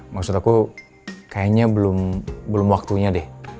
maksud aku kayaknya belum waktunya deh